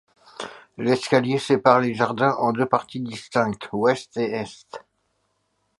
L'escalier sépare les jardins en deux parties distinctes: ouest et est.